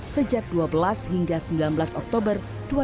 sejak dua belas hingga sembilan belas oktober dua ribu dua puluh